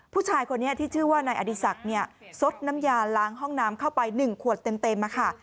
ผู้ชายคนนี้ที่ชื่อว่านายอดีศักดิ์ซดน้ำยาล้างห้องน้ำเข้าไป๑ขวดเต็มค่ะ